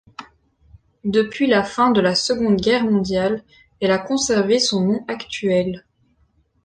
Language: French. Depuis la fin de la Seconde Guerre mondiale, elle a conservé son nom actuel.